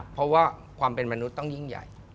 เพราะว่าความเป็นมนุษย์ต้องยิ่งใหญ่